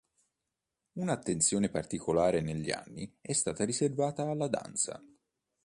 Una attenzione particolare negli anni è stata riservata alla danza.